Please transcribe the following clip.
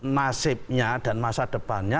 nasibnya dan masa depannya